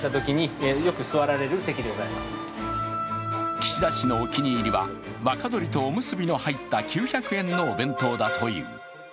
岸田氏のお気に入りは若鶏とおむすびが入った９００円のお弁当だという。